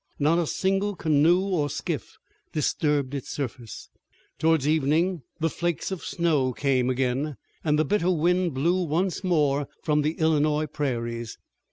Not a single canoe or skiff disturbed its surface. Toward evening the flakes of snow came again, and the bitter wind blew once more from the Illinois prairies.